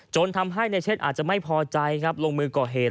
จนทำให้นายเชษฐ์อาจจะไม่พอใจลงมือก่อเหตุ